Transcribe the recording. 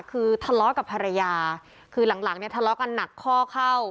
คือทะเลาะกับภรรยาคือหลังหลังเนี่ยทะเลาะกันหนักข้อเข้า